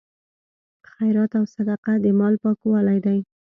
خیرات او صدقه د مال پاکوالی دی.